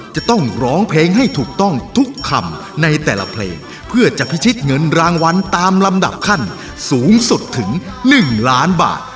จะต้องร้องเพลงให้ถูกต้องทุกคำในแต่ละเพลงเพื่อจะพิชิตเงินรางวัลตามลำดับขั้นสูงสุดถึง๑ล้านบาท